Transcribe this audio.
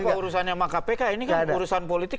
tapi apa urusan sama kpk ini kan urusan politik